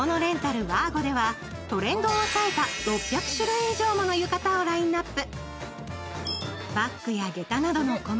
着物レンタルｗａｒｇｏではトレンドを押さえた６００種類以上もの浴衣をラインナップ。